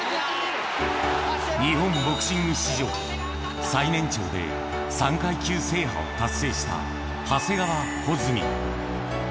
日本ボクシング史上、最年長で３階級制覇を達成した長谷川穂積。